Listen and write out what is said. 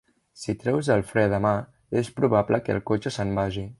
Si treus el fre de mà, és probable que el cotxe se'n vagi.